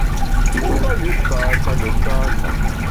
Pue fa yu kâsa ne kâsa.